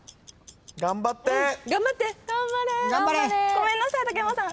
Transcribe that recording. ごめんなさい竹山さん。